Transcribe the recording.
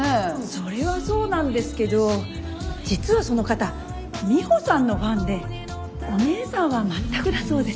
それはそうなんですけど実はその方ミホさんのファンでお姉さんは全くだそうで。